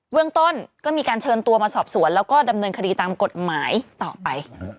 เรื่องต้นก็มีการเชิญตัวมาสอบสวนแล้วก็ดำเนินคดีตามกฎหมายต่อไป